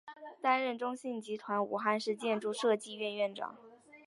担任中信集团武汉市建筑设计院院长。